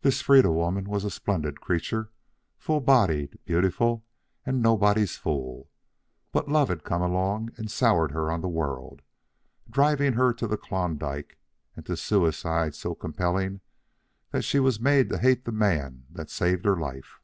This Freda woman was a splendid creature, full bodied, beautiful, and nobody's fool; but love had come along and soured her on the world, driving her to the Klondike and to suicide so compellingly that she was made to hate the man that saved her life.